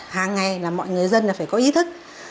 hàng ngày mọi người dân phải có ý thức